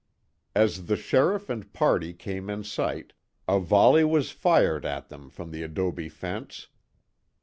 As the sheriff and party came in sight, a volley was fired at them from the adobe fence.